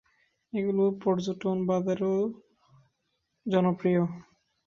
এগুলো পর্যটন বাজারেও জনপ্রিয়।